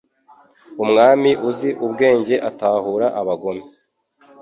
Umwami uzi ubwenge atahura abagome